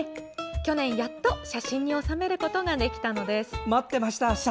去年、やっと写真に収めることができたのです。